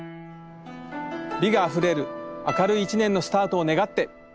美があふれる明るい一年のスタートを願って！